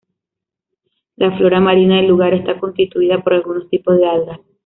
La flora marina del lugar está constituida por algunos tipo de algas.